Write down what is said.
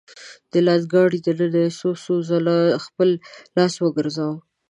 د لاس ګاډي دننه يې څو څو ځله خپل لاس وګرځاوه .